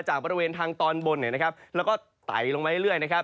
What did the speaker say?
ลงมาจากบริเวณทางตอนบนนะครับแล้วก็ไตลงไว้เรื่อยนะครับ